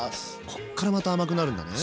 こっからまた甘くなるんだね。